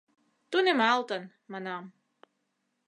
— Тунемалтын, — манам.